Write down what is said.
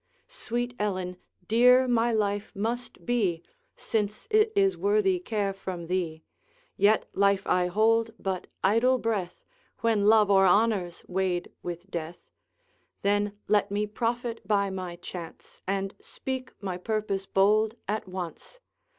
'Sweet Ellen, dear my life must be, Since it is worthy care from thee; Yet life I hold but idle breath When love or honor's weighed with death. Then let me profit by my chance, And speak my purpose bold at once.